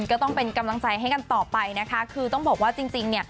ก็ต้องเป็นกำลังใจให้กันต่อไปนะคะคือต้องบอกว่าจริงเนี่ย